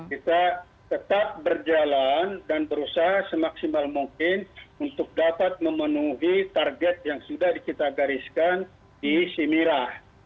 kita tetap berjalan dan berusaha semaksimal mungkin untuk dapat memenuhi target yang sudah kita gariskan di simirah